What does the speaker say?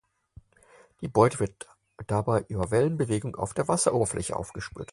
Die Beute wird dabei über Wellenbewegungen auf der Wasseroberfläche aufgespürt.